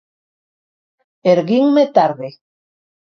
Erguinme tarde.